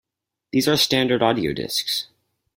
These are standard audio discs.